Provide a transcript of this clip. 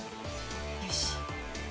よし。